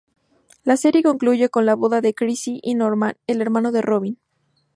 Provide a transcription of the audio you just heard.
La serie concluye con la boda de Chrissy y Norman, el hermano de Robin.